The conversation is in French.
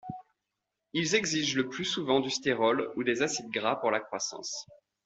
Ils exigent le plus souvent du stérol ou des acides gras pour la croissance.